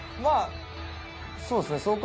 まあそうですね。